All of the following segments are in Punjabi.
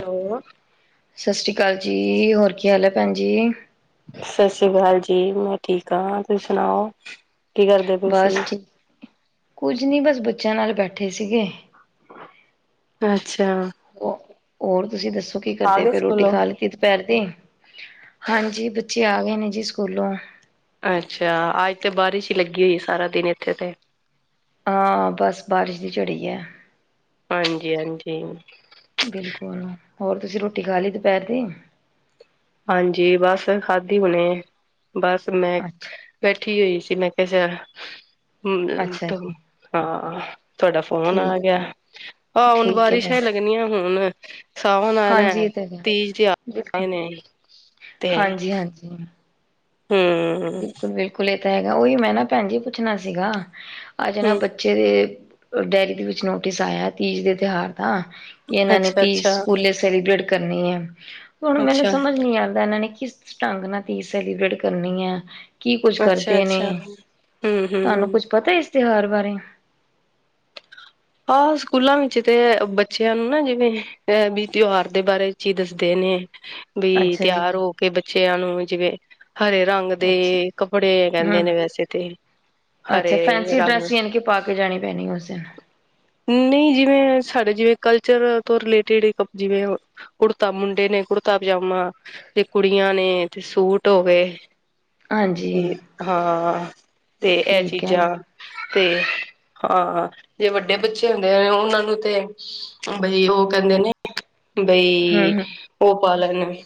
ਹਲੋ ਸਤਿ ਸ਼੍ਰੀ ਅਕਾਲ ਜੀ ਹੋਰ ਕੀ ਹਾਲ ਹੈ ਭੈਣ ਜੀ। ਸਤਿ ਸ੍ਰੀ ਅਕਾਲ ਜੀ ਮੈਂ ਠੀਕ ਹਾਂ ਤੁਸੀਂ ਸੁਣਾਓ। ਕੀ ਕਰਦੇ ਪਏ ਸੀ? ਬਸ ਠੀ [unintelligible] ਕੁਝ ਨਈ ਬਸ ਬੱਚਿਆਂ ਨਾਲ ਬੈਠੇ ਸੀਗੇ। ਅੱਛਾ ਓ ਹੋਰ ਤੁਸੀਂ ਦੱਸੋ ਕੀ ਆ ਕਰਦੇ ਗਏ ਫਿਰ ਰੋਟੀ ਸਕੂਲੋਂ? ਖਾ ਲਿੱਤੀ ਦੁਪੈਰ ਦੀ ਹਾਂਜੀ ਬੱਚੇ ਆ ਗਏ ਨੇ ਜੀ ਸਕੂਲੋਂ ਅੱਛਾ ਅੱਜ ਤਾਂ ਬਾਰਿਸ਼ ਹੀ ਲੱਗੀ ਹੋਈ ਸਾਰਾ ਦਿਨ ਇੱਥੇ ਤੇ ਹਾਂ ਬਸ ਬਾਰਿਸ਼ ਦੀ ਝੜੀ ਐ। ਹਾਂਜੀ-ਹਾਂਜੀ ਬਿਲਕੁਲ ਹੋਰ ਤੁਸੀਂ ਰੋਟੀ ਖਾ ਲਈ ਦੁਪੈਰ ਦੀ ਹਾਂਜੀ ਬਸ ਖਾਧੀ ਹੁਣੇ ਬਸ ਮੈਂ ਅੱਛਾ, ਬੈਠੀ ਹੋਈ ਸੀ ਮੈਂ ਕਿਆ ਚਲ ਹੂੰ ਅ ਅੱਛਾ ਬ ਜੀ, ਹਾਂ। ਤੁਹਾਡਾ ਫੋਨ ਆ ਠੀਕ, ਗਿਆ ਆਹ ਹੁਣ ਠੀਕ ਹੈ ਬਾਰਿਸ਼ਾਂ ਭੈਣ ਹੀ ਜੀ, ਲੱਗਣੀਆਂ ਹੁਣ ਸਾਵਨ ਆਨਾ ਹਾਂਜੀ ਇਹ ਤਾਂ ਹੈ। ਤੀਜ਼ ਤੇ ਆਏ ਬਿਲਕੁਲ, ਨੇ। ਤੇ ਹਾਂਜੀ-ਹਾਂਜੀ ਹੂੰ ਬਿਲਕੁਲ-ਬਿਲਕੁਲ ਇਹ ਤਾਂ ਹੈਗਾ ਉਹੀ ਮੈਂ ਨਾ ਭੈਣ ਜੀ ਪੁੱਛਣਾ ਸੀਗਾ ਅੱਜ ਨਾ ਹੂੰ ਬ ਬੱਚੇ ਦੇ ਡੇਰੀ ਦੇ ਵਿੱਚ ਨੋਟਿਸ ਆਇਆ ਤੀਜ ਦੇ ਤਿਉਹਾਰ ਦਾ ਕਿ ਇਹਨਾਂ ਨੇ ਅੱਛਾ ਤੀਜ਼ ਅੱਛਾ ਸਕੂਲੇ ਸੈਲੀਬ੍ਰੇਟ ਕਰਨੀ ਐ ਹੁਣ ਮੈਨੂੰ ਅੱਛਾ ਸਮਝ ਨੀ ਆਂਦਾ ਇਹਨਾਂ ਨੇ ਕਿਸ ਕਿਸ ਢੰਗ ਨਾਲ ਤੀਜ ਸੈਲੀਬ੍ਰੇਟ ਕਰਨੀ ਐ ਕੀ ਕੁੱਝ ਕਰਦੇ ਨੇ ਅੱਛਾ-ਅੱਛਾ, ਤੁਹਾਨੂੰ ਹੂੰ-ਹੂੰ। ਕੁੱਛ ਪਤਾ ਇਸ ਤਿਉਹਾਰ ਬਾਰੇ ਹਾਂ ਸਕੂਲਾਂ ਵਿੱਚ ਤੇ ਬੱਚਿਆਂ ਨੂੰ ਨਾ ਜਿਵੇਂ ਇਹ ਵੀ ਤਿਉਹਾਰ ਦੇ ਬਾਰੇ 'ਚ ਹੀ ਦੱਸਦੇ ਨੇ। ਵੀ ਅੱਛਾ ਜੀ ਤਿਆਰ ਹੋ ਕੇ ਬੱਚਿਆਂ ਨੂੰ ਜਿਵੇਂ ਹਰੇ ਰੰਗ ਦੇ ਅੱਛਾ ਕੱਪੜੇ ਕੈਂਦੇ ਹਮ ਨੇ ਵੈਸੇ ਤੇ ਅੱਛਾ ਹਰੇ ਫੈਂਸੀ ਰੰਗ ਡਰੈਸ ਯਾਨੀ ਕਿ ਪਾ ਕੇ ਜਾਣੀ ਪੈਣੀ ਉਸ ਦਿਨ ਨਈ ਜਿਵੇਂ ਸਾਡੇ ਜਿਵੇਂ ਕਲਚਰ ਤੋਂ ਰਿਲੇਟਿਡ ਕਪ ਜਿਵੇਂ ਹੋ ਕੁੜਤਾ ਮੁੰਡੇ ਨੇ ਕੁੜਤਾ ਪਜਾਮਾ ਤੇ ਕੁੜੀਆਂ ਨੇ ਤੇ ਸੂਟ ਹੋ ਗਏ। ਹਾਂਜੀ ਹਾਂ ਤੇ ਇਹ ਠੀਕ ਹੈ ਚੀਜ਼ਾਂ ਤੇ ਹਾਂ ਜੇ ਵੱਡੇ ਬੱਚੇ ਹੁੰਦੇ ਆ ਉਹਨਾਂ ਨੂੰ ਤੇ ਬਈ ਓ ਕੈਂਦੇ ਨੇ ਬਈ ਹਮ ਹਮ ਓ ਪਾ ਲੈਣੇ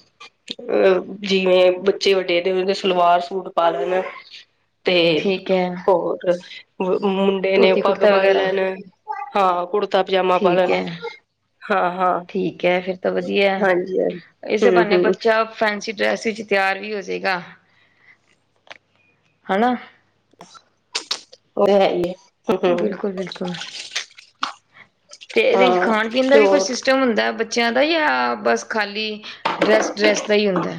ਅਹ ਜਿਵੇਂ ਬੱਚੇ ਵੱਡੇ ਤੇ ਦੇ ਸਲਵਾਰ ਸੂਟ ਪਾਲਣ ਤੇ ਠੀਕ ਹੈ ਹੋਰ-ਹੋਰ ਮੁੰਡ ਡੇ ਨੇ ਧੋਤੀ ਪੱਗ ਕੁੜਤਾ ਬਣ ਵਗੈਰਾ ਲੈਣ ਹਾਂ ਕੁੜਤਾ ਪਜਾਮਾ ਪਾ ਠੀਕ ਲੈਣ। ਹੈ ਹਾਂ-ਹਾਂ ਠੀਕ ਹੈ ਫਿਰ ਤਾਂ ਵਧੀਆ ਇਸੇ ਹਾਂਜੀ-ਹਾਂਜੀ ਹੂੰ ਬਹਾਨੇ ਹੂੰ। ਬੱਚਾ ਫੈਂਸੀ ਡਰੈਸ ਵਿੱਚ ਤਿਆਰ ਵੀ ਹੋਜੇਗਾ। ਹਨਾ। ਉਹ ਹੈ ਹੀ। ਹਮ ਹਮ ਬਿਲਕੁਲ -ਬਿਲਕੁਲ ਤੇ ਇਹਦੇ ਚ ਹਾਂ ਖਾਣ ਪੀਣ ਦਾ ਤੇ ਵੀ ਕੌਈ ਉਹ ਸਿਸਟਮ ਸਿਸਟਮ ਹੁੰਦਾ ਬੱਚਿਆਂ ਦਾ ਜਾਂ ਬਸ ਖਾਲੀ ਡਰੈਸ -ਡਰੈੱਸ ਦਾ ਹੀ ਹੁੰਦਾ।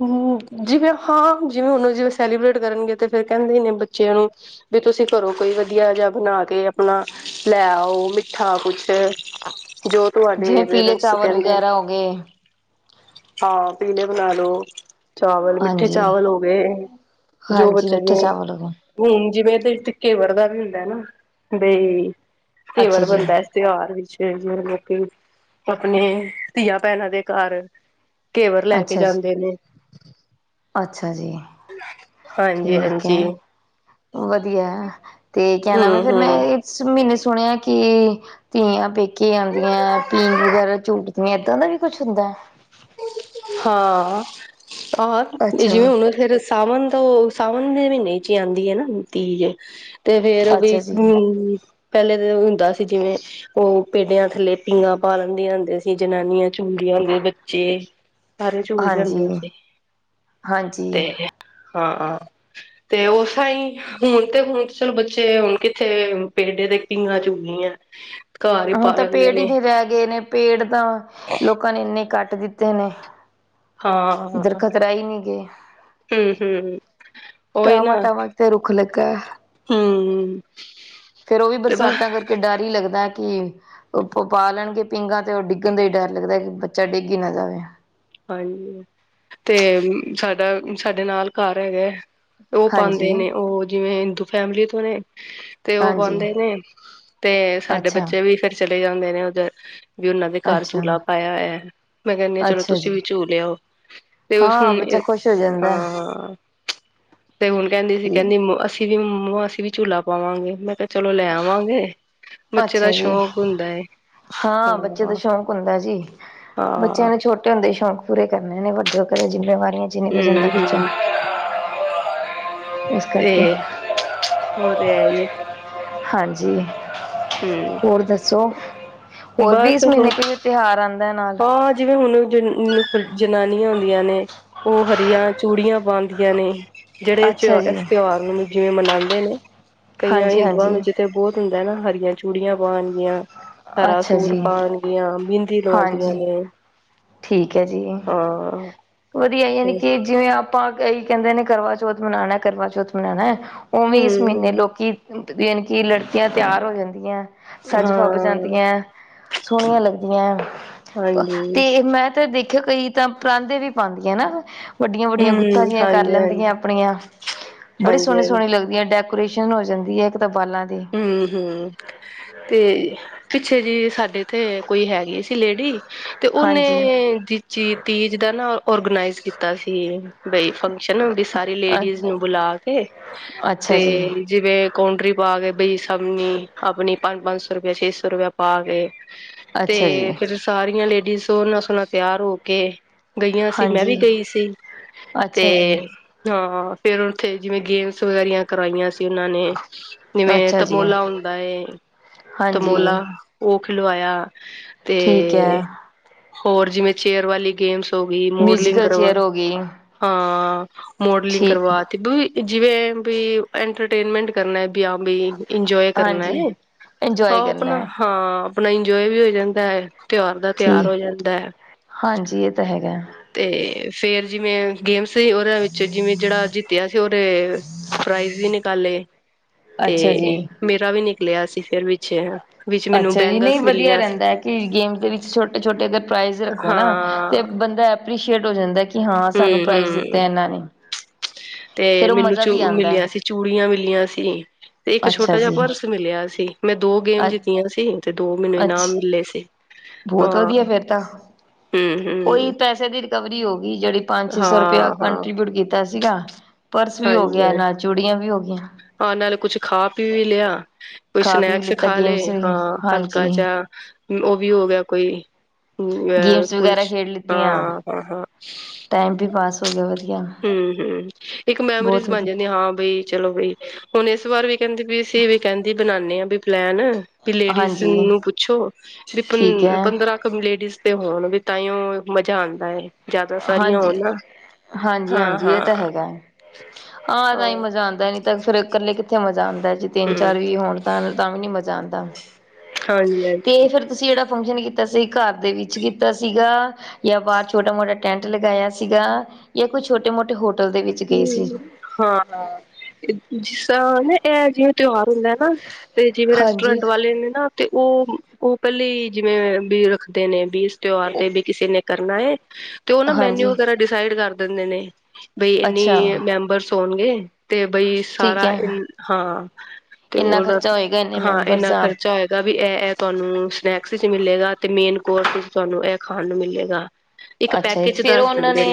ਹੂੰ, ਜਿਵੇਂ ਹਾਂ ਜਿਵੇਂ ਹੁਣ ਜਿਵੇਂ ਸੈਲੀਬ੍ਰੇਟ ਕਰਨਗੇ ਤੇ ਫਿਰ ਕਹਿੰਦੇ ਨੇ ਬੱਚਿਆਂ ਨੂੰ। ਵੀ ਤੁਸੀਂ ਘਰੋ ਕੋਈ ਵਧੀਆ ਜਿਹਾ ਬਣਾ ਕੇ ਆਪਣਾ ਲੈ ਆਓ ਮਿੱਠਾ ਕੁਛ। ਜੋ ਤੁਹਾਡੇ ਜਿਵੇਂ ਪੀਲੇ ਪੇਰੈਂਟਸ ਚਾਵਲ ਕਹਿੰਦੇ ਵਗੈਰਾ ਹੋ ਗਏ ਹਾਂ ਪੀਲੇ ਬਣਾ ਲਉ। ਚਾਵਲ ਮਿੱਠੇ ਹਾਂਜੀ ਚਾਵਲ ਹੋ ਗਏ। ਜੋ ਹਾਂਜੀ ਬੱਚਾ ਮਿੱਠੇ ਜਿਵੇ। ਚਾਵਲ ਹੋ ਗਏ ਹੁਣ ਜਿਵੇਂ ਇਹਦੇ ਵਿੱਚ ਘੇਵਰ ਦਾ ਵੀ ਹੁੰਦਾ ਨਾ ਬਈ ਅੱਛਾ ਘੇਵਰ ਜੀ ਬਣਦਾ। ਤਿਉਹਾਰ ਵਿੱਚ ਜਿਵੇਂ ਲੋਕੀ ਆਪਣੇ ਧੀਆਂ ਭੈਣਾਂ ਦੇ ਘਰ। ਘੇਵਰ ਲੈ ਕੇ ਅੱਛਾ ਜੀ ਜਾਂਦੇ ਨੇ। ਅੱਛਾ ਜੀ। ਹਾਂਜੀ ਠੀਕ ਹਾਂਜੀ ਹੈ, ਵਧੀਆ ਤੇ ਕਹਿਣਾ ਵੈਂ ਹੂੰ ਫਿਰ ਮੈਂ। ਹੂੰ ਇਸ ਮਹੀਨੇ ਸੁਣਿਆ ਕਿ ਧੀਆਂ ਪੇਕੇ ਜਾਂਦੀਆਂ ਪੀਂਘ ਵਗੈਰਾ ਝੂਟ। ਜਿਵੇਂ ਇੱਦਾਂ ਦਾ ਵੀ ਕੁਛ ਹੁੰਦਾ। ਹਾਂ, ਆਹ ਇਹ ਅੱਛਾ। ਜਿਵੇਂ ਹੁਣ ਫਿਰ। ਸਾਵਣ ਤੋਂ ਸਾਵਣ ਦੇ ਮਹੀਨੇ ਚ ਹੀ ਆਉਂਦੀ ਹੈ ਨਾ ਤੀਜ ਤੇ ਫੇਰ ਵੀ ਅੱਛਾ ਜੀ ਹ ਪਹਿਲੇ ਤਾਂ ਹੁੰਦਾ ਸੀ ਜਿਵੇਂ ਉਹ ਪੇਡਿਆਂ ਥੱਲੇ ਪੀਘਾਂ ਪਾ ਲੈਂਦੀਆਂ ਹੁੰਦੀ ਸੀ ਜਨਾਨੀਆਂ ਝੂਲਦੀਆਂ ਹੁੰਦੀਆਂ ਬੱਚੇ ਸਾਰੇ ਝੂਲ ਜਾਂਦੇ ਹਾਂਜੀ ਸੀ, ਹਾਂਜੀ ਤੇ ਹਾਂ। ਤੇ ਉਸ ਸਹੀ। ਹੁਣ ਤੇ ਹੁਣ ਤੇ ਚਲੋ ਬੱਚੇ ਹੁਣ ਕਿੱਥੇ ਪੇਡੇ ਦੇ ਪੀਘਾਂ ਝੂਲਦੀਆ। ਹੁਣ ਤਾਂ ਪੇੜ ਹੀ ਨਹੀਂ ਰਹਿ ਗਏ ਨੇ, ਪੇੜ ਤਾਂ ਲੋਕਾਂ ਨੇ ਇੰਨੇ ਕੱਟ ਦਿੱਤੇ ਨੇ ਹਾਂ ਦਰਖ਼ਤ ਰਹਿ ਹੀ ਨਹੀਂ ਗੇ। ਹਮ ਹਮ ਉਹੀ ਟਾਵਾ ਨਾ ਟਾਵਾ ਤੇ ਰੁੱਖ ਲਗਾ। ਹਮ ਫ਼ੇਰ ਉਹ ਵੀ ਤੇ ਬਸ ਬਰਸਾਤਾਂ ਕਰਕੇ ਡਰ ਹੀ ਲੱਗਦਾ ਹੈ। ਕਿ ਉਹ ਪਾ ਲੈਣਗੇ ਪੀਂਘਾਂ ਤੇ ਉਹ ਡਿੱਗਣ ਦਾ ਹੀ ਡਰ ਲੱਗਦਾ ਕਿ ਬੱਚਾ ਡਿੱਗ ਹੀ ਨਾ ਜਾਵੇ। ਹਾਂਜੀ, ਤੇ ਸਾਡਾ ਸਾਡੇ ਨਾਲ ਘਰ ਹੈਗਾ ਉਹ ਹਾਂਜੀ ਪਾਉਦੇ ਨੇ ਉਹ ਜਿਵੇਂ ਹਿੰਦੂ ਫੈਮਿਲੀ ਤੋਂ ਨੇ। ਤੇ ਉਹ ਹਾਂਜੀ ਪਾਉਂਦੇ ਨੇ ਤੇ ਸਾਡੇ ਅੱਛਾ ਬੱਚੇ ਵੀ ਫਿਰ ਚਲੇ ਜਾਂਦੇ ਨੇ ਉਧਰ। ਵੀ ਉਹਨਾਂ ਦੇ ਘਰ ਅੱਛਾ, ਝੂਲਾ ਪਾਇਆ ਹੋਇਆ। ਮੈਂ ਕਹਿੰਦੀ ਹਾਂ ਚਲੋ। ਅੱਛਾ ਤੁਸੀਂ ਜੀ, ਵੀ ਝੂਲ ਆਓ ਤੇ ਉਹ ਹਾਂ ਹੁਣ ਬੱਚਾ ਖੁਸ਼ ਹੋ ਜਾਂਦਾ ਹਾਂ ਤੇ ਹੁਣ ਕਹਿੰਦੀ ਸੀ ਠੀਕ। ਕਹਿੰਦੀ ਅਸੀਂ ਵੀ ਮਾਸੀ ਜੀ ਝੂਲਾ ਪਾਵਾਂਗੇ ਮੈਂ ਕਿਹਾ ਚਲੋ ਲੈ ਆਵਾਂਗੇ ਬੱਚੇ ਦਾ ਅੱਛਾ ਜੀ, ਸ਼ੌਕ ਹੁੰਦਾ ਹੈ। ਹਾਂ ਬੱਚੇ ਦਾ ਸ਼ੌਂਕ ਹੁੰਦਾ ਜੀ, ਬੱਚਿਆਂ ਹਾਂ ਨੂੰ ਛੋਟੇ ਹੁੰਦੇ ਹੀ ਸ਼ੌਂਕ। ਪੂਰੇ ਕਰਨ ਨੇ ਵਡੇ ਹੋ ਕੇ ਜਿੰਮੇਵਾਰੀਆਂ 'ਚ ਨਹੀਂ ਬਚਦਾ ਹਮ ਬੱਚੇ। ਹਮ ਤੇ ਉਹ ਤੇ ਹੈ ਹੀ ਹੈ। ਹਾਂਜੀ। ਹਮ ਹੋਰ ਦੱਸੋ? ਹੋਰ ਵੀ ਬਸ ਇਸ ਮਹੀਨੇ ਹੋ ਵਿਚ ਕੋਈ ਤਿਉਹਾਰ ਆਉਂਦਾ ਨਾਲ। ਹਾਂ ਜਿਵੇਂ ਹੁਣ ਜੋ ਜਨਾਨੀਆਂ ਹੁੰਦੀਆਂ ਨੇ, ਉਹ ਹਰੀਆਂ ਚੂੜੀਆਂ ਪਾਉਂਦੀਆਂ ਨੇ। ਜਿਹੜੇ ਅੱਛਾ ਇਸ ਜੀ। ਤਿਉਹਾਰ ਨੂੰ ਜਿਵੇਂ ਮਨਾਉਂਦੇ ਨੇ ਕਈਆਂ ਹਿੰਦੂਆਂ ਨੂੰ। ਹਾਂਜੀ-ਹਾਂਜੀ, ਬਹੁਤ ਹੁੰਦਾ ਨਾ ਹਰੀਆਂ ਚੂੜੀਆਂ ਪਾਣਗੀਆਂ, ਹਰਾ ਅੱਛਾ ਸੂਟ ਜੀ, ਪਾਣਗੀਆਂ। ਲਵਾਉਦੀਆਂ ਹਾਂਜੀ ਨੇ ਹਾਂ ਠੀਕ ਐ ਜੀ। ਵਧੀਆ ਯਾਨੀ ਤੇ ਕਿ ਜਿਵੇਂ ਆਪਾਂ ਕਈ ਕਹਿੰਦੇ ਨੇ ਕਰਵਾਚੌਥ ਮਨਾਉਣਾ ਕਰਵਾਚੌਥ ਮਨਾਉਣਾ ਉਵੇਂ ਇਸ ਮਹੀਨੇ ਹਮ ਲੋਕੀ ਕਿ ਲੜਕੀਆਂ ਤਿਆਰ ਹੋ ਜਾਂਦੀਆਂ ਸੱਜ ਫੱਬ ਹਾਂ ਜਾਂਦੀਆਂ ਸੋਹਣੀਆਂ ਲੱਗਦੀਆਂ ਹੈ ਹਾਂਜੀ ਤੇ ਮੈਂ ਤਾਂ ਦੇਖਿਆ ਕਈ ਤਾਂ ਪਰਾਂਦੇ ਵੀ ਪਾਉਦੀਆਂ ਨਾ ਵੱਡੀਆਂ ਵੱਡੀਆਂ ਹਮ ਗੁੱਤਾਂ ਜਿਹੀਆਂ ਕਰ ਹਾਂਜੀ ਲੈਂਦੀਆਂ ਹਾਂਜੀ ਆਪਣੀਆਂ ਬੜੀ ਹਾਂਜੀ ਸੋਹਣੇ ਹਾਂਜੀ ਸੋਹਣੇ ਲੱਗਦੀ ਡੈਕੋਰੇਸ਼ਨ ਹੋ ਜਾਂਦੀ ਹੈ, ਇੱਕ ਤਾਂ ਬਾਲਾਂ ਦੀ ਹਮ ਹਮ ਤੇ ਪਿੱਛੇ ਜੀ ਸਾਡੇ ਤੇ ਕੋਈ ਹੈਗੀ ਸੀ ਲੇਡੀ ਤੇ ਉਹਨੇ ਹਾਂਜੀ ਜ ਚੀ ਤੀਜ ਦਾ ਨਾ ਔਰਗਨਾਈਜ਼ ਕੀਤਾ ਸੀ। ਬਈ ਫੰਕਸ਼ਨ ਵੀ ਸਾਰੀ ਅ ਲੇਡੀਜ਼ ਨੂੰ ਬੁਲਾ ਕੇ ਅੱਛਾ ਜੀ ਤੇ‍ ਜਿਵੇਂ ਕੌਡਰੀ ਪਾ ਕੇ ਬਈ ਸਬਨੀ ਆਪਣੀ ਪੰਜ ਪੰਜ ਸੌ ਰੁਪਇਆ ਛੇ ਸੌ ਰੁਪਇਆ ਪਾ ਕੇ ਅੱਛਾ ਜੀ ਤੇ ਫਿਰ ਸਾਰੀਆਂ ਲੇਡੀਜ਼ ਸੋਹਨਾ ਸੋਹਣਾ ਤਿਆਰ ਹੋ ਕੇ ਗਈਆਂ ਸੀ ਮੈਂ ਵੀ ਹਾਂਜੀ ਗਈ ਸੀ ਤੇ ਅੱਛਾ ਜੀ ਹਾਂ ਫੇਿਰ ਉੱਥੇ ਜਿਵੇਂ ਗੇਮਸ ਵਗੈਰੀਆਂ ਕਰਵਾਈਆਂ ਸੀ ਉਹਨਾਂ ਨੇ। ਜਿਵੇਂ ਅੱਛਾ ਜੀ ਤਮੋਲਾ ਹੁੰਦਾ ਏ ਹਾਂਜੀ ਤਮੋਲਾ ਉਹ ਖਿਲਵਾਇਆ ਤੇ ਠੀਕ ਹੈ ਹੋਰ ਜਿਵੇਂ ਚੇਅਰ ਵਾਲੀ ਗੇਮਸ ਮਾਡਲਿੰਗ ਮਿਊਜ਼ੀਕਲ ਚੇਅਰ ਹੋ ਗਈ ਹਾਂ ਮੋਡਲਿੰਗ ਠੀਕ ਹੈ ਕਰਵਾ ਕੇ। ਜਿਵੇਂ ਵੀ ਐੰਟਰਟੇਨਮੈਂਟ ਕਰਨਾ। ਆ ਬ ਇੰਜੋਏ ਕਰਨਾ ਹਾਂਜੀ ਹੈ ਇੰਜੋਏ ਆਓ ਕਰਨਾ ਆਪਣਾ। ਹੈ ਹਾਂ ਆਪਣਾ ਇੰਜੋਏ ਵੀ ਹੋ ਜਾਂਦਾ ਹੈ। ਤਿਉਹਾਰ ਦਾ ਤਿਉਹਾਰ ਹੋ ਠੀਕ ਜਾਂਦਾ ਹੈ ਹਾਂਜੀ ਇਹ ਤਾਂ ਹੈਗਾ ਤੇ ਫੇਰ ਜਿਵੇਂ ਗੇਮਸ ਸੀ ਉਹਨਾਂ ਵਿੱਚ ਜਿਵੇਂ ਜਿਹੜਾ ਜਿੱਤਿਆ ਸੀ ਉਹਦੇ ਪ੍ਰਾਈਜ਼ ਵੀ ਨਿਕਾਲੇ। ਅੱਛਾ ਤੇ ਜੀ ਮੇਰਾ ਵੀ ਨਿਕਲਿਆ ਸੀ ਫਿਰ ਵਿੱਚੇ ਅੱਛਾ ਜੀ ਨਹੀਂ ਵਧੀਆ ਰਹਿੰਦਾ ਹੈ ਕਿ ਗੇਮ ਦੇ ਵਿੱਚ ਛੋਟੇ ਛੋਟੇ ਅਗਰ ਪ੍ਰਾਈਜ਼ ਹਾਂ ਤੇ ਬੰਦਾ ਐਪਰੀਸ਼ੀਏਟ ਹੋ ਜਾਂਦਾ ਕਿ ਹਾਂ ਸਾਨੂੰ ਪ੍ਰਾਈਜ਼ ਦਿੱਤੇ ਹੂੰ-ਹੂੰ ਇਹਨਾਂ ਨੇ। ਤੇ ਫੇਰ ਉਹ ਮੈਨੂੰ ਮਜ਼ਾ ਚੂ ਵੀ ਆਉਂਦਾ ਮਿਲਿਆ ਸੀ। ਚੂੜੀਆਂ ਮਿਲੀਆਂ ਸੀ ਤੇ ਇੱਕ ਅੱਛਾ ਛੋਟਾ ਜਿਹਾ ਜੀ ਪਰਸ ਮਿਲਿਆ ਸੀ ਮੈਂ ਦੋ ਗੇਮ ਅ ਜਿੱਤਿਆਂ ਸੀ। ਤੇ ਦੋ ਮੈਨੂੰ ਅੱਛ ਇਨਾਮ ਮਿਲੇ ਸੀ। ਬਹੁਤ ਹਾਂ ਵਧੀਆ ਫੇਿਰ ਤਾਂ, ਉਹੀ ਹੂੰ-ਹੂੰ ਪੈਸੇ ਦੀ ਰਿਕਵਰੀ ਹੋ ਗਈ ਜਿਹੜੀ ਪੰਜ ਛੇ ਸੌ ਰੁਪਇਆ ਹਾਂ-ਹਾਂ ਕੰਟਰੀਬਿਊਟ ਕੀਤਾ ਸੀਗਾ। ਪਰਸ ਵੀ ਹੋ ਹਾਂਜੀ-ਹਾਂਜੀ ਹਾਂ ਹਾਂਜੀ, ਗਿਆ ਹਾਂਜੀ। ਨਾਲ ਚੂੜੀਆਂ ਵੀ ਹੋ ਗਈਆਂ। ਹਾਂ ਨਾਲ ਕੁਛ ਖਾ ਪੀ ਵੀ ਲਿਆ ਕੋਈ ਖਾ ਪੀ ਵੀ ਸਨੈਕਸ ਲਿੱਤਾ ਖਾ ਗੇਮਸ ਲਏ ਵੀ ਹਾਂ ਹਾਂਜੀ ਹਲਕਾ ਜਿਹਾ। ਉਹ ਵੀ ਹੋ ਗਿਆ ਕੋਈ ਅ ਗੇਮਸ ਵਗੈਰਾ ਕੁਛ ਖੇਡ ਹਾਂ ਲਿੱਤੀਆਂ ਹਾਂ ਹਾਂ। ਟਾਈਮ ਵੀ ਪਾਸ ਹੋ ਗਿਆ ਵਧੀਆ। ਹਮ ਹਮ ਇੱਕ ਮੈਮੋਰੀਜ਼ ਬਹੁਤ ਬਣ ਜਾਂਦੀ ਵਧੀਆ ਹਾਂ ਬਈ। ਚਲੋ ਬਈ ਹੁਣ ਇਸ ਵਾਰ ਵੀ ਕਹਿੰਦੀ ਵੀ ਅਸੀਂ ਵੀ ਕਹਿੰਦੀ ਬਨਾਦੇ ਹਾਂ ਵੀ ਪਲੈਨ। ਵੀ ਲੇਡੀਜ਼ ਹਾਂਜੀ ਨੂੰ ਪੁੱਛੋ ਵੀ ਠੀਕ ਪੰ ਹੈ ਪੰਦਰਾਂ ਲੇਡੀਜ਼ ਤੇ ਹੋਣ ਵੀ ਤਾਂਓ ਮਜ਼ਾ ਆਉਂਦਾ ਹੈ। ਜ਼ਿਆਦਾ ਸਾਰੀਆਂ ਹੋ ਹਾਂਜੀ ਨਾ ਹਾਂ ਹਾਂ। ਆਹ ਤਾਂ ਮਜ਼ਾ ਆਉਂਦਾ ਨੀ ਤਾਂ ਫੇਿਰ ਇਕੱਲੇ ਕਿੱਥੇ ਮਜ਼ਾ ਆਉਂਦਾ ਜੀ ਤਿੰਨ ਹੂੰ ਚਾਰ ਵੀ ਹੋਣ। ਤਾਂ ਵੀ ਨੀ ਮਜ਼ਾ ਆਉਂਦਾ। ਹਾਂਜੀ ਤੇ ਹਾਂਜੀ। ਫਿਰ ਤੁਸੀਂ ਜਿਹੜਾ ਫੰਕਸ਼ਨ ਕੀਤਾ ਸੀ ਘਰ ਦੇ ਵਿੱਚ ਕੀਤਾ ਸੀਗਾ ਜਾਂ ਬਾਹਰ ਛੋਟਾ ਮੋਟਾ ਟੈਂਟ ਲਗਾਇਆ ਸੀਗਾ ਜਾਂ ਕੋਈ ਛੋਟੇ ਮੋਟੇ ਹੋਟਲ ਦੇ ਵਿੱਚ ਗਏ ਸੀ। ਹਾਂ ਐ ਜਿਸ ਤਰਾਂ ਨਾ ਐ ਜਿਵੇਂ ਤਿਉਹਾਰ ਹੁੰਦਾ ਨਾ ਤੇ ਜਿਵੇਂ ਹਾਂਜੀ ਰੈਸਟੋਰੈਂਟ ਵਾਲੇ ਨੇ ਨਾ ਤੇ ਓ, ਓ ਪੈਲੇ ਈ ਜਿਵੇਂ ਬੀ ਰੱਖਦੇ ਨੇ ਬੀ ਇਸ ਤਿਉਹਾਰ ਤੇ ਵੀ ਕਿਸੇ ਨੇ ਕਰਨਾ ਏ ਤੇ ਓ ਨਾ ਮੈਨਿਊ ਹਾਂਜੀ ਵਗੈਰਾ ਡਿਸਾਈਡ ਕਰ ਦੇਂਦੇ ਨੇ। ਬਈ ਅੱਛਾ ਇੰਨੀ ਮੈਂਬਰਸ ਹੋਨਗੇ। ਤੇ ਬਈ ਠੀਕ ਸਾਰਾ ਇ ਹੈ ਹਾਂ ਤੇ ਇੰਨਾ ਓਦਾ ਖਰਚਾ ਹੋਏਗਾ ਇੰਨੇ ਹਾਂ ਮੈਂਬਰਸ ਇੰਨਾ ਖਰਚਾ ਆ ਗਾ ਵੀ ਐ ਐ ਤੁਹਾਨੂੰ ਸਨੈਕਸ ਵਿੱਚ ਮਿਲੇਗਾ ਤੇ ਮੇਨ ਕੋਰਸ ਵਿੱਚ ਤੁਹਾਨੂੰ ਐ ਖਾਨ ਨੂੰ ਮਿਲੇਗਾ। ਇੱਕ ਅੱਛਾ ਜੀ ਪੈਕੇਜ ਫੇਰ ਦੱਸ ਓਨਾਂ ਦਿੰਦੇ ਨੇ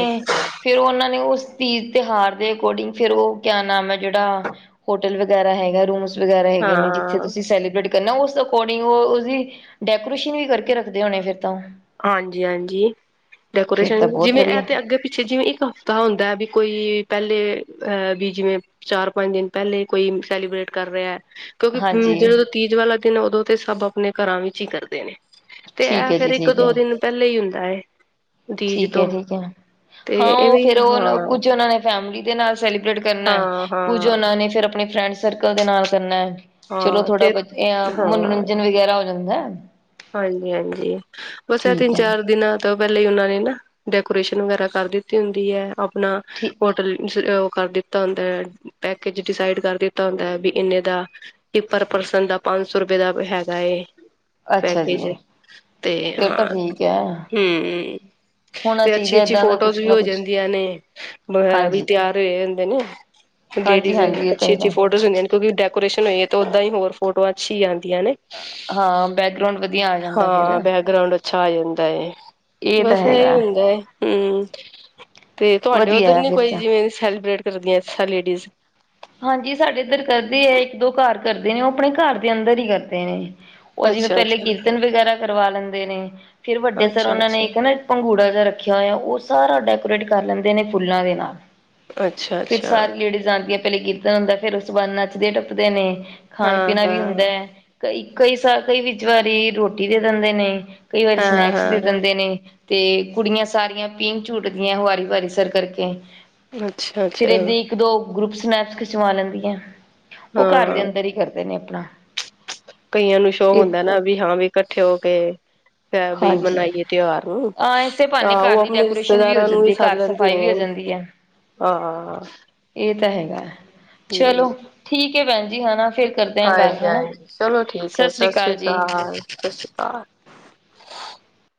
ਫੇਰ ਓਨਾਂ ਨੇ ਉਸ ਤੀਜ਼ ਤਿਉਹਾਰ ਦੇ ਅਕੋਰਡਿੰਗ ਫੇਰ ਓ ਕਿਆ ਨਾਮ ਐ ਜੇੜਾ ਹੋਟਲ ਵਗੈਰਾ ਹੈਗਾ, ਰੂਮਸ ਵਗੈਰਾ ਹੈਗੇ ਨੇ ਜਿੱਥੇ ਹਾਂ, ਤੁਸੀਂ ਸੈਲੀਬ੍ਰੇਟ ਕਰਨਾ ਉਸ ਅਕੋਰਡਿੰਗ ਓ ਉਦੀ ਡੈਕੋਰੇਸ਼ਨ ਵੀ ਕਰਕੇ ਰੱਖਦੇ ਹੋਬੇ ਫਿਰ ਤਾਂ ਓ। ਹਾਂਜੀ ਹਾਂਜੀ, ਫਿਰ ਡੈਕੋਰੇਸ਼ਨ ਤਾਂ ਬਹੁਤ ਜਿਵੇਂ ਐ ਵਧੀਆ ਤੇ ਅੱਗੇ ਪਿੱਛੇ ਜਿਵੇਂ ਇੱਕ ਤਾਂ ਹੁੰਦਾ ਵੀ ਕੋਈ ਪੈਲੇ ਅਹ ਵੀ ਜਿਵੇਂ ਚਾਰ ਪੰਜ ਦਿਨ ਪੈਲੇ ਕੋਈ ਸੈਲੀਬ੍ਰੇਟ ਕਰ ਰਿਆ। ਕਿਉਂਕਿ ਹਾਂਜੀ ਜਦੋਂ ਤੀਜ ਵਾਲਾ ਦਿਨ ਉਦੋਂ ਤੇ ਸਭ ਅਪਨੇ ਘਰਾਂ ਵਿੱਚ ਹੀ ਕਰਦੇ ਨੇ ਤੇ ਐ ਠੀਕ ਹੈ ਫੇਰ ਜੀ ਇੱਕ ਠੀਕ ਹੈ ਪੈਲੇ ਈ ਹੁੰਦਾ ਐ। ਠੀਕ ਐ ਠੀਕ ਐ ਹਾਂ ਤੇ ਓ ਇਵੇਂ ਫੇਰ ਹਾਂ ਓ ਕੁੱਝ ਓਨਾਂ ਨੇ ਫੈਮਿਲੀ ਦੇ ਨਾਲ ਸੈਲੀਬ੍ਰੇਟ ਕਰਨਾ ਐ, ਹਾਂ ਕੁੱਝ ਹਾਂ ਓਨਾਂ ਨੇ ਫਿਰ ਅਪਨੇ ਫਰੈਂਡ ਸਰਕਲ ਦੇ ਨਾਲ ਕਰਨਾ ਐ। ਚਲੋ ਹਾਂ ਥੋੜ੍ਹਾ ਤੇ [unintelligible] ਹਾਂ ਮਨੋਰੰਜਨ ਵਗੈਰਾ ਹੋ ਜਾਂਦਾ ਐ। ਹਾਂਜੀ-ਹਾਂਜੀ ਬਸ ਐ ਤਿੰਨ ਹੈ ਚਾਰ ਦਿਨਾਂ ਤਾਂ ਪੈਲੇ ਈ ਓਨਾਂ ਨੇ ਨਾ ਡੈਕੋਰੇਸ਼ਨ ਵਗੈਰਾ ਕਰ ਦਿੱਤੀ ਹੁੰਦੀ ਐ ਅਪਨਾ ਠੀਕ ਹੋਟਲ [unintelligible] ਓ ਕਰ ਦਿੱਤਾ ਹੁੰਦਾ ਐ ਪੈਕੇਜ ਡਿਸਾਈਡ ਕਰ ਦਿੱਤਾ ਹੁੰਦਾ ਐ ਬਈ ਇਨੇ ਦਾ ਕਿ ਪਰ ਪਰਸਨ ਦਾ ਪੰਜ ਸੌ ਰੁਪਏ ਦਾ ਹੈਗਾ ਏ। ਅੱਛਾ ਜੀ ਪੈਕੇਜ ਤੇ ਫਿਰ ਤਾਂ ਹਾਂ ਠੀਕ ਹੈ ਹੂੰ। ਹੋਣਾ ਤੇ ਅੱਛੀ ਚਾਹੀਦਾ ਅੱਛੀ ਏਦਾਂ ਦਾ ਫੋਟੋਜ਼ ਕੁਛ ਵੀ ਨਾ ਹੋ ਕੁਛ ਜਾਂਦੀਆਂ ਨੇ [unintelligible] ਵੀ ਹਾਂਜੀ ਤਿਆਰ ਹੋਏ ਹੋਂਦੇ ਨੇ। ਹਾਂਜੀ ਲੇਡੀਜ਼ ਹਾਂਜੀ ਇਹ ਤਾਂ ਅੱਛੀ ਅੱਛੀ ਹੈਗਾ ਫੋਟੋਜ਼ ਹੁੰਦੀਆਂ ਨੇ ਕਿਉਂਕਿ ਡੈਕੋਰੇਸ਼ਨ ਹੋਈ ਓਦਾਂ ਹੀ ਹੋਰ ਫੋਟੋਆਂ ਅੱਛੀ ਈ ਆਂਦੀਆਂ ਨੇ। ਹਾਂ ਬੈਕਗਰਾਉਂਡ ਵਧੀਆ ਆ ਜਾ ਹਾਂ ਬੈਕਗਰਾਉਂਡ ਅੱਛਾ ਆ ਜਾਂਦਾ ਏ ਇਹ ਤਾਂ ਬਸ ਐ ਈ ਹੈਗਾ ਹੁੰਦਾ ਐ। ਹੂੰ ਤੇ ਤੁਹਾਡੇ ਵਧੀਆ ਓਧਰ ਹੈ ਨੀ ਫਿਰ ਕੋਈ ਤਾਂ ਜਿਵੇਂ ਸੈਲੀਬ੍ਰੇਟ ਕਰਦੀਆਂ ਜਿਸ ਤਰਾਂ ਲੇਡੀਜ਼? ਹਾਂਜੀ ਸਾਡੇ ਏਧਰ ਕਰਦੀ ਏ ਇੱਕ ਦੋ ਘਰ ਕਰਦੇ ਨੇ ਓ ਅਪਨੇ ਘਰ ਦੇ ਅੰਦਰ ਈ ਕਰਦੇ ਨੇ। ਓ ਜਿਵੇਂ ਅੱਛਾ ਪਹਿਲੇ ਅੱਛਾ ਕੀਰਤਨ ਵਗੈਰਾ ਕਰਵਾ ਲੈਂਦੇ ਨੇ ਫਿਰ ਵੱਡੇ ਸਰ ਅੱਛਾ ਓਨਾਂ ਨੇ ਅੱਛਾ ਇੱਕ ਨਾ ਪੰੰਗੂੜਾ ਜਿਹਾ ਰੱਖਿਆ ਹੋਇਆ ਓ ਸਾਰਾ ਡੈਕੋਰੇਟ ਕਰ ਲੈਂਦੇ ਨੇ ਫੁੱਲਾਂ ਦੇ ਨਾਲ। ਅੱਛਾ ਫਿਰ ਅੱਛਾ ਸਾਰੀ ਲੇੜੀਜ਼ ਆਦੀਆਂ ਪੈਲੇ ਕੀਰਤਨ ਹੁੰਦਾ ਫੇਰ ਉਸ ਤੋਂ ਬਾਦ ਨੱਚਦੇ ਟੱਪਦੇ ਨੇ। ਖਾਨ ਹਾਂ ਪੀਨਾ ਵੀ ਹੁੰਦਾ ਹਾਂ ਐ। ਕਈ ਕਈ ਸ ਕਈ ਵਿੱਚ ਵਾਰੀ ਰੋਟੀ ਦੇ ਦੇਂਦੇ ਨੇ ਕਈ ਵਾਰੀ ਹਾਂ ਸਨੈਕਸ ਦੇ ਹਾਂ ਦੇਂਦੇ ਨੇ। ਤੇ ਕੁੜੀਆਂ ਸਾਰੀਆਂ ਪੀਂਘ ਝੂਟਦੀਆਂ ਵਾਰੀ ਵਾਰੀ ਸਰ ਕਰਕੇ। ਫਿਰ ਅੱਛਾ-ਅੱਛਾ। ਏਦਾਂ ਇੱਕ ਦੋ ਗਰੁੱਪ ਸਨੈਪਸ ਖਿਚਵਾ ਲੈਂਦੀਆਂ ਓ ਘਰ ਦੇ ਹਾਂ ਅੰਦਰ ਈ ਕਰਦੇ ਨੇ ਅਪਨਾ। ਕਈਆਂ ਨੂੰ ਸ਼ੋਕ ਹੁੰਦਾ ਨਾ ਵੀ ਹਾਂ ਵੀ ਇਕੱਠੇ ਹੋ ਕੇ [unintelligible] ਬਈ ਹਾਂਜੀ ਮਨਾਈਏ ਤਿਉਹਾਰ ਨੂੰ ਹਾਂ ਇਸੇ ਤਾਂ ਓ ਅਪਨੇ ਰਿਸ਼ਤੇਦਾਰਾਂ ਨੂੰ ਵੀ ਸੱਦ ਲੈਂਦੇ। ਸਫਾਈ ਨੇ ਵੀ ਹੋ ਜਾਂਦੀ ਐ। ਹਾਂ। ਏ ਤਾਂ ਹੈਗਾ, ਚਲੋ ਹਾਂਜੀ ਠੀਕ ਐ ਭੈਣ ਜੀ ਹਨਾ ਫਿਰ ਹਾਂਜੀ-ਹਾਂਜੀ, ਚਲੋ ਠੀਕ ਐ ਸਤਿ ਸ੍ਰੀ ਸ਼੍ਰੀ ਜੀ ਅਕਾਲ, ਸਤਿ ਸ਼੍ਰੀ ਅਕਾਲ।